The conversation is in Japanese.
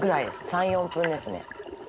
３４分ですね